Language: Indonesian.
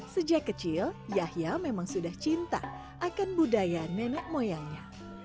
sejak kecil yahya memang sudah cinta akan budaya nenek moyangnya